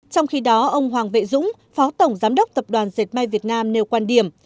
trong khi đó ông hoàng vệ dũng phó tổng giám đốc tập đoàn dệt may việt nam nêu quan điểm